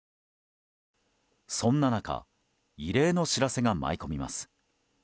そんな中異例の知らせが舞い込みます。